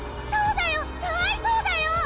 そうだよかわいそうだよ！